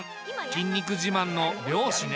筋肉自慢の漁師ね。